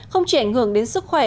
không chỉ ảnh hưởng đến sức khỏe